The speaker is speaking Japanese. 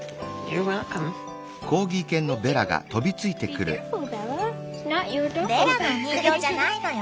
ベラのお人形じゃないのよ。